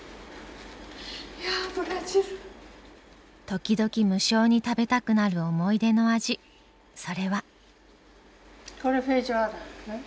時々無性に食べたくなる思い出の味それは。